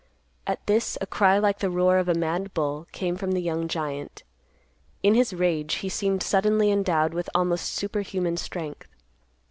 At this, a cry like the roar of a mad bull came from the young giant. In his rage, he seemed suddenly endowed with almost superhuman strength.